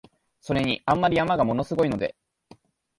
それに、あんまり山が物凄いので、